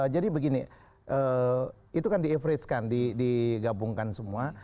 jadi begini itu kan di average kan digabungkan semua